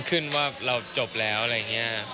ขึ้นว่าเราจบแล้วอะไรอย่างนี้